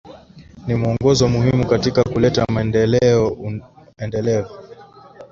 Ni mwongozo muhimu katika kuleta maendeleo endelevu